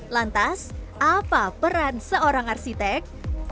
lantas apa peran seorang arsitek